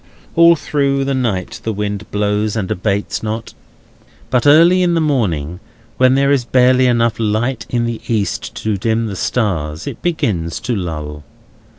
All through the night the wind blows, and abates not. But early in the morning, when there is barely enough light in the east to dim the stars, it begins to lull.